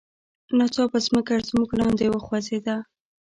ناڅاپه ځمکه زموږ لاندې وخوزیده.